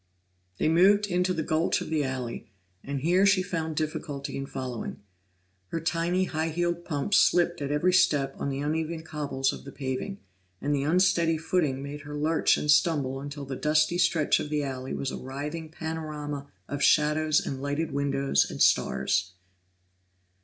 They moved into the gulch of the alley, and here she found difficulty in following. Her tiny high heeled pumps slipped at every step on the uneven cobbles of the paving, and the unsteady footing made her lurch and stumble until the dusty stretch of the alley was a writhing panorama of shadows and lighted windows and stars.